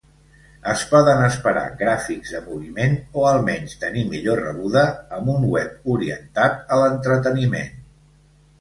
Es poden esperar gràfics de moviment, o almenys tenir millor rebuda, amb un web orientat a l'entreteniment.